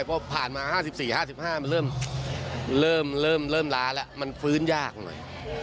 พอผ่านมา๕๔๕๕มันเริ่มล้าแล้วมันฟื้นยากหน่อย